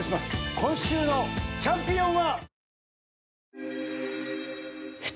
今週のチャンピオンは。